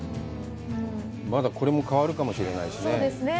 まだこれも変わるかもしれないしね。